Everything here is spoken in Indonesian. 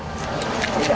insya allah ya allah